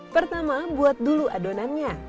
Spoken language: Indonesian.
pertama buat dulu adonan